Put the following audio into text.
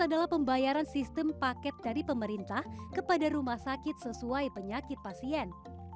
tetap menggunakan anggaran kementerian kesehatan